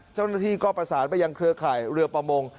เจ้าหน้าที่ก็ประสานไปยังเครือข่ายเรือประมง